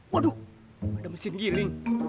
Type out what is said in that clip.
waduh ada mesin giring